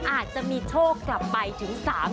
อาจจะมีโชคกลับไปถึง๓๐๐